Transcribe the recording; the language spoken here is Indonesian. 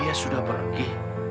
dia sudah pergi